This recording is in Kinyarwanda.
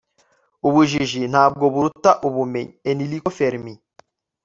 ubujiji ntabwo buruta ubumenyi. - enrico fermi